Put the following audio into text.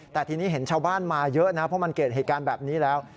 แต่ทีนี้เห็นชาวบ้านมาเยอะนะเพราะมันเกิดเหตุการณ์แบบนี้แล้ว